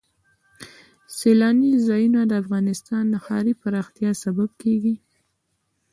سیلانی ځایونه د افغانستان د ښاري پراختیا سبب کېږي.